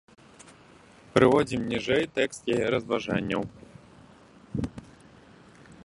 Прыводзім ніжэй тэкст яе разважанняў.